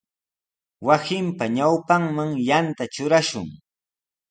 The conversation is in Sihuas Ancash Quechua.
Wasinpa ñawpanman yanta trurashun.